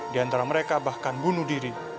di antara mereka bahkan bunuh diri